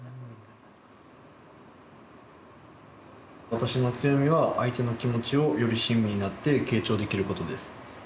「私の強みは相手の気持ちをより親身になって傾聴できることです」。